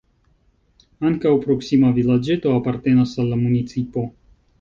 Ankaŭ proksima vilaĝeto apartenas al la municipo.